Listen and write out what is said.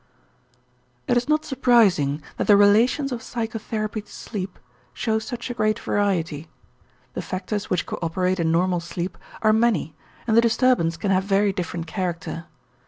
It is not surprising that the relations of psychotherapy to sleep show such a great variety. The factors which coöperate in normal sleep are many and the disturbance can have very different character.